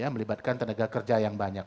melibatkan tenaga kerja yang banyak